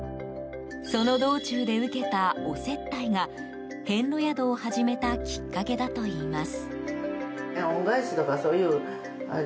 その道中で受けたお接待が遍路宿を始めたきっかけだといいます。